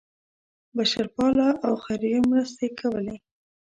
بشرپاله او خیریه مرستې کولې.